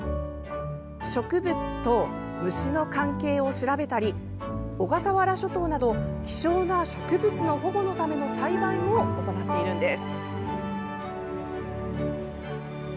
植物と虫の関係を調べたり小笠原諸島など、希少な植物の保護のための栽培も行っています。